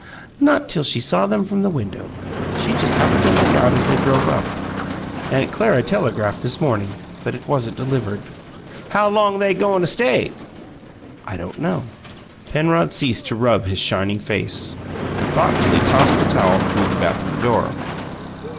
"Not till she saw them from the window. She just happened to look out as they drove up. Aunt Clara telegraphed this morning, but it wasn't delivered." "How long they goin' to stay?" "I don't know." Penrod ceased to rub his shining face, and thoughtfully tossed the towel through the bathroom door.